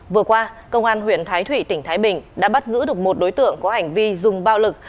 vừa qua công an huyện thái thụy tỉnh thái bình đã bắt giữ được một đối tượng có hành vi dùng bạo lực